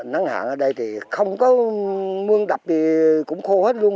nắng hạn ở đây thì không có mương đập cũng khô hết luôn